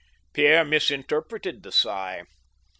Pierre misinterpreted the sigh.